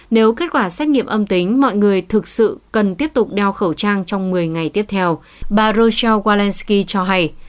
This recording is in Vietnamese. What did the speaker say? nếu kết quả xét nghiệm âm tính mọi người thực sự cần tiếp tục đeo khẩu trang trong một mươi ngày tiếp theo bà rochelensky cho hay